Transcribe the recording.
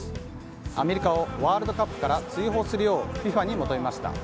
アメリカをワールドカップから追放するようＦＩＦＡに求めました。